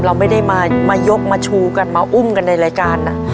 เราไม่ได้มายกมาชูกันมาอุ้มกันในรายการนะ